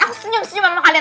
aku senyum senyum sama kalian